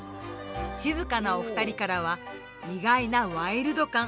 静かなお二人からは意外なワイルド感。